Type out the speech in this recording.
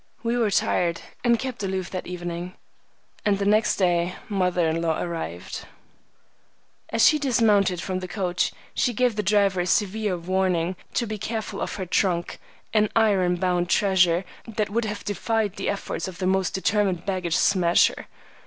We were tired, and kept aloof that evening, and the next day mother in law arrived. As she dismounted from the coach, she gave the driver a severe warning to be careful of her trunk, an iron bound treasure that would have defied the efforts of the most determined baggage smasher.